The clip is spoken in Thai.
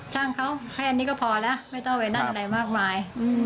ช่างเขาแค่อันนี้ก็พอแล้วไม่ต้องไปนั่นอะไรมากมาย